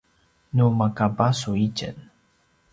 nu maka basu itjen